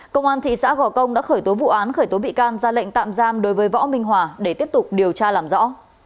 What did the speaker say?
công an thị xã gò công đã khởi tố vụ án khởi tố bị can ra lệnh tạm giam đối với võ minh hòa để tiếp tục điều tra làm rõ